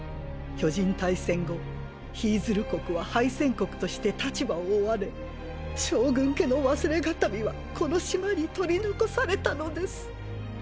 「巨人大戦」後ヒィズル国は敗戦国として立場を追われ将軍家の忘れ形見はこの島に取り残されたのです。